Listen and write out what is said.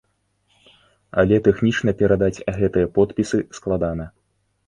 Але тэхнічна перадаць гэтыя подпісы складана.